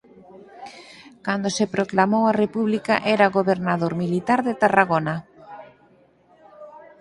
Cando se proclamou a República era gobernador militar de Tarragona.